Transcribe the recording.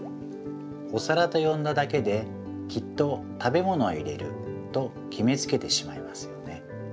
おさらとよんだだけできっと食べものを入れるときめつけてしまいますよね。